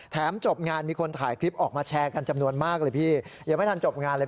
จบงานมีคนถ่ายคลิปออกมาแชร์กันจำนวนมากเลยพี่ยังไม่ทันจบงานเลย